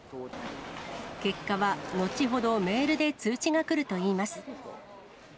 結果は後ほどメールで通知が来るといいます。